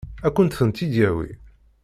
Ad kent-tent-id-yawi?